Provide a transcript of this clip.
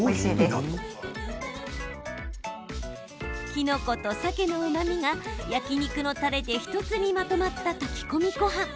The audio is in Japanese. きのことさけのうまみが焼き肉のたれで、１つにまとまった炊き込みごはん。